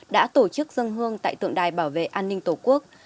đã tổ chức dân hương tại tượng đài bảo vệ an ninh tổ quốc